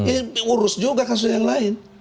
ini ngurus juga kasus yang lain